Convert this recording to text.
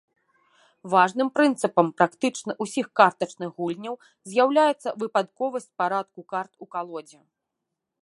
Важным прынцыпам практычна ўсіх картачных гульняў з'яўляецца выпадковасць парадку карт у калодзе.